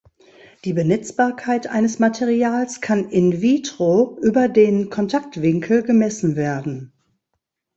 Die Benetzbarkeit eines Materials kann in vitro über den Kontaktwinkel gemessen werden.